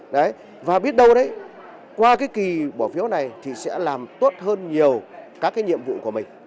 đấy và biết đâu đấy qua cái kỳ bỏ phiếu này thì sẽ làm tốt hơn nhiều các cái nhiệm vụ của mình